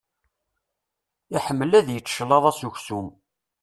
Iḥemmel ad yečč cclaḍa s uksum.